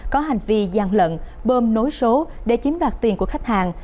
có hành vi gian lận bơm nối số để chiếm đoạt tiền của khách hàng